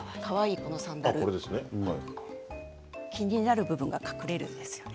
もう１つ、かわいいサンダル気になる部分が隠れるんですよね。